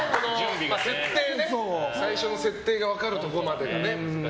最初の設定が分かるところまで。